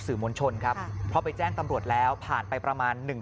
มวลชนครับเพราะไปแจ้งตำรวจแล้วผ่านไปประมาณหนึ่ง